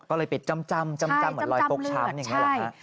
ก็เลยเป็นจำจำเหมือนรอยโป๊กช้ำอย่างนี้หรอคะ